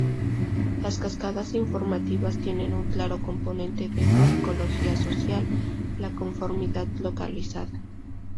Las cascadas informativas tienen un claro componente de psicología social: la conformidad localizada.